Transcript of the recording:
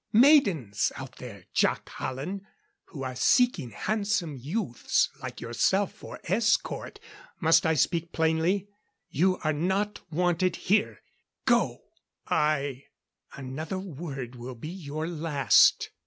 "Maidens out there, Jac Hallen, who are seeking handsome youths like yourself for escort. Must I speak plainly? You are not wanted here. Go!" "I " "Another word will be your last."